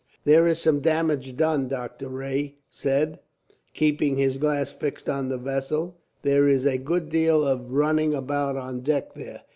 "There is some damage done," Dr. Rae said, keeping his glass fixed on the vessel. "There is a good deal of running about on deck there."